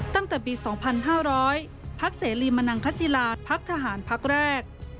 ตั้งแต่ปี๒๕๐๐พศลิมนังขสิลาพักทหารพักแรก